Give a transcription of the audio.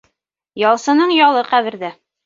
Ялсының ялы ҡәберҙә.